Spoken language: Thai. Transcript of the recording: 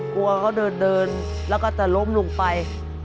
กลัวเขาเดินเดินแล้วก็จะล้มลงไป